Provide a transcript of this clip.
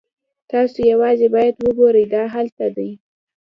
تاسو یوازې باید وګورئ دا هلته دی